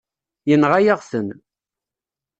Yenɣa-yaɣ-ten.